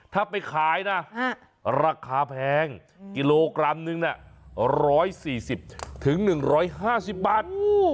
ถ้าไปขายนะราคาแพงกิโลกรัมนึง๑๔๐๑๕๐บาท